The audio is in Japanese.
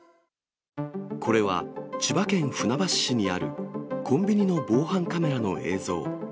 これは千葉県船橋市にあるコンビニの防犯カメラの映像。